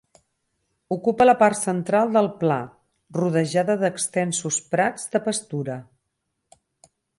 Ocupa la part central del pla, rodejada d'extensos prats de pastura.